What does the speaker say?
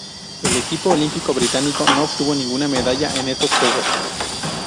El equipo olímpico británico no obtuvo ninguna medalla en estos Juegos.